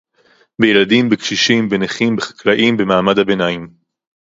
בילדים, בקשישים, בנכים, בחקלאים, במעמד הביניים